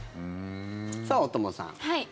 さあ、大友さん。